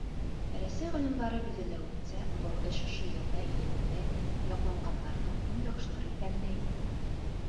Рәсәй ғалимдары билдәләүенсә, был эш ошо йылда илебеҙҙә яҡланғандарҙың иң яҡшылары иҫәбенә инә.